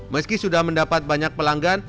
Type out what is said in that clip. meski sudah mendapat banyak pelanggan